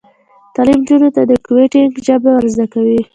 تعلیم نجونو ته د کوډینګ ژبې ور زده کوي.